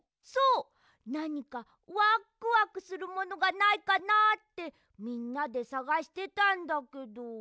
そうなにかワックワクするものがないかなってみんなでさがしてたんだけど。